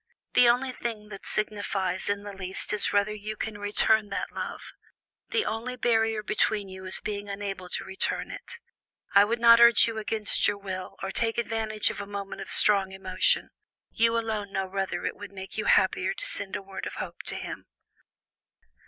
The only thing that signifies in the least is whether you can return that love: the only barrier between you is being unable to return it. I would not urge you against your will, or take advantage of a moment of strong emotion; you alone know whether it would make you happier to send a word of hope to him."